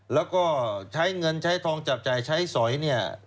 แล้วก็ใช้เงินใช้ทองจับจ่ายใช้สอยเนี่ย